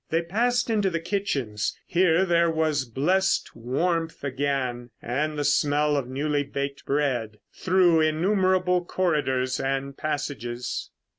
They passed into the kitchens—here there was blessed warmth again and the smell of newly baked bread—through innumerable corridors and passages.